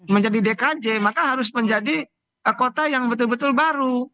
menjadi dkj maka harus menjadi kota yang betul betul baru